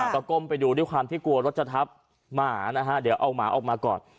ก็ก้มไปดูด้วยความที่กลัวรถจะทับหมานะฮะเดี๋ยวเอาหมาออกมาก่อน